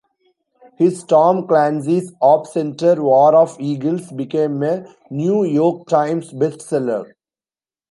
His "Tom Clancy's Op-Center: War of Eagles" became a "New York Times" Best Seller.